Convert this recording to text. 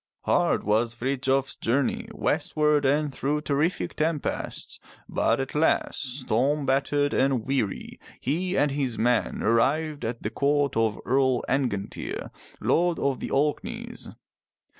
Hard was Frithjof's journey westward and through terrific tempests, but at last, storm battered and weary, he and his men arrived at the court of Earl Angantyr, Lord of the Orkneys.